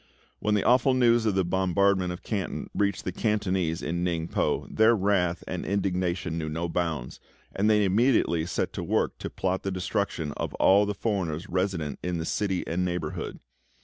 When the awful news of the bombardment of Canton reached the Cantonese in Ningpo their wrath and indignation knew no bounds, and they immediately set to work to plot the destruction of all the foreigners resident in the city and neighbourhood.